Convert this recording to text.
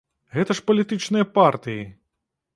Гэта ж палітычныя партыі!